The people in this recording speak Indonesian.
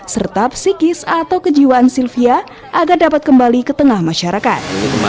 serta psikis atau kejiwaan sylvia agar dapat kembali ke tengah masyarakat